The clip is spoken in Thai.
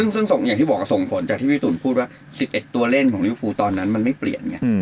ซึ่งอย่างที่บอกส่งผลจากที่พี่ตูนพูดว่า๑๑ตัวเล่นของลิวฟูตอนนั้นมันไม่เปลี่ยนไง